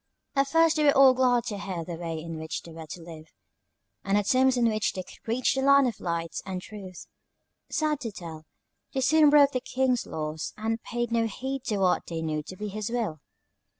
"At first they were all glad to hear the way in which they were to live, and the terms on which they could reach the Land of Light and Truth. Sad to tell, they soon broke the King's laws, and paid no heed to what they knew to be his will.